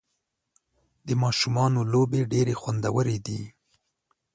د ماشومانو لوبې ډېرې خوندورې دي.